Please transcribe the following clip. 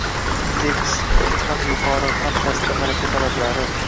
indeks, ham yuqori, ham past malaka talablari